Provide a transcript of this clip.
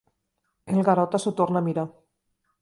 El Garota s'ho torna a mirar.